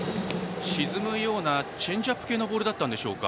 沈むようなチェンジアップ系のボールだったんでしょうか。